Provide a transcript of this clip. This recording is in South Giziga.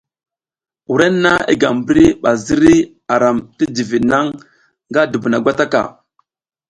Wrenna i gam mbri ba ziri a ram ti jivid naŋ nga dubuna gwata ka.